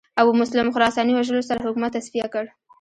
ابومسلم خراساني وژلو سره حکومت تصفیه کړ